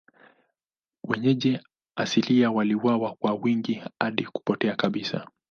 Wenyeji asilia waliuawa kwa wingi hadi kupotea kabisa.